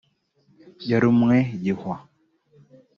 Yarumye Gihwa